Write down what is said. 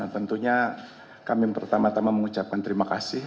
tentunya kami pertama tama mengucapkan terima kasih